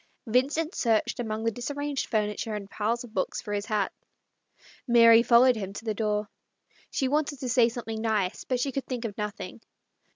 Vincent searched among the disarranged furniture and the piles of books for his hat. Mary followed him to the door. She wanted to say something nice, but she could think of nothing.